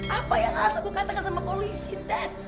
apa yang harus aku katakan sama polisi dan